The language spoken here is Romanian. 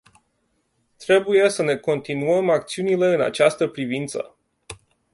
Trebuie să ne continuăm acțiunile în această privință.